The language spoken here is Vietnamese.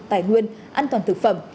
tài nguyên an toàn thực phẩm